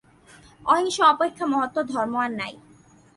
অহিংসা অপেক্ষা মহত্তর ধর্ম আর নাই।